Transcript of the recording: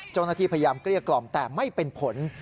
เจ้าหน้าที่พยายามเกลี้ยกล่อมแต่ไม่เป็นผล